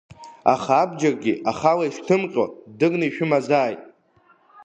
Аха абџьаргьы ахала ишҭымҟьо дырны ишәымазааит.